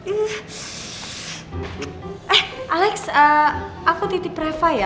eh alex aku titip rafa ya